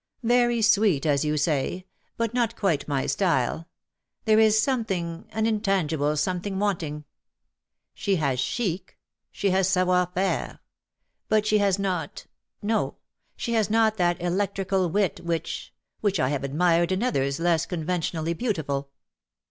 " Very sweet, as you say, but not quite my style — there is a something — an intangible something wanting. She has chic — she has savoir faire ; but she has not — no, she has not that. elec trical wit which — which I have admired in others less conventionally beautiful.''